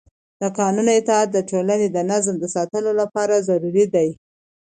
د قانون اطاعت د ټولنې د نظم د ساتلو لپاره ضروري دی